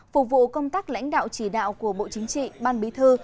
phục vụ công tác lãnh đạo chỉ đạo của bộ chính trị ban bí thư